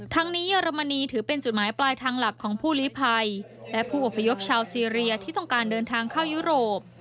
ทั้งนี้เยอรมนีถือเป็นจุดหมายปลายทางหลักของผู้ลีภัยและผู้อพยพชาวซีเรียที่ต้องการเดินทางเข้ายุโรป